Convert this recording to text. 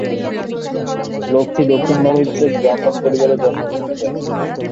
লক্ষ্মী দক্ষিণ ভারতের ব্রাহ্মণ পরিবারে জন্মগ্রহণ করেন।